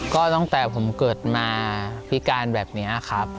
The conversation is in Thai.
ก็ตั้งแต่ผมเกิดมาพิการแบบนี้ครับ